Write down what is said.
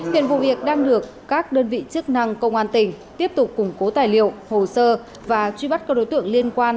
hiện vụ việc đang được các đơn vị chức năng công an tỉnh tiếp tục củng cố tài liệu hồ sơ và truy bắt các đối tượng liên quan